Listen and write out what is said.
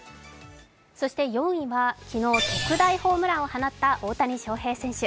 ４位は昨日特大ホームランを放った大谷翔平選手。